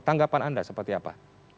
tanggapan anda seperti apa